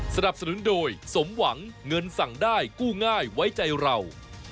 สนับสนุนโดยสมหวังเงินสั่งได้กู้ง่ายไว้ใจเรา